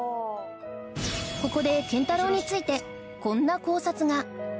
ここで健太郎についてこんな考察が